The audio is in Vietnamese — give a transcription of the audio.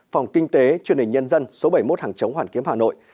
phòng kinh tế chương trình nhân dân số bảy mươi một hàng chống hoàn kiếm hà nội